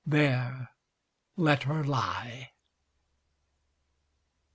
There let her lie!